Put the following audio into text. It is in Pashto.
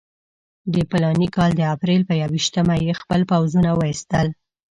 د فلاني کال د اپرېل پر یوویشتمه یې خپل پوځونه وایستل.